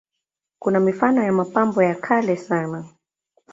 Kuna mifano ya mapambo ya kale sana.